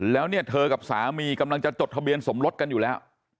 แล้วเนี่ยเธอกับสามีกำลังจะจดทะเบียนสมรสกันอยู่แล้ว